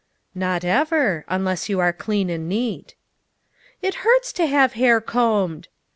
Not ever. Unless you are clean and neat." "It hurts to have hair combed."